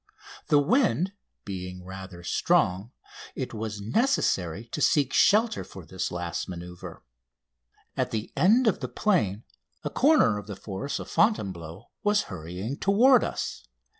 The wind being rather strong, it was necessary to seek shelter for this last manoeuvre. At the end of the plain a corner of the forest of Fontainebleau was hurrying toward us.